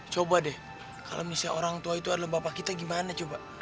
coba deh kalau misalnya orang tua itu adalah bapak kita gimana coba